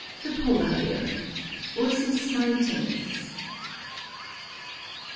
] THE POLAR BEAR. (_Ursus maritimus.